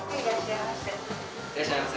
いらっしゃいませ。